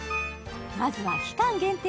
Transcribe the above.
まずは期間限定